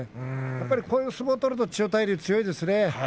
やっぱり、こういう相撲を取ると千代大龍は強いですね。